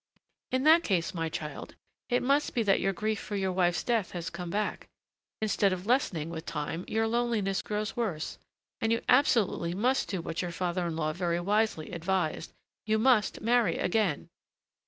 "In that case, my child, it must be that your grief for your wife's death has come back. Instead of lessening with time, your loneliness grows worse, and you absolutely must do what your father in law very wisely advised, you must marry again."